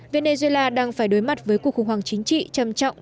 venezuela đang phải đối mặt với cuộc khủng hoảng chính trị trầm trọng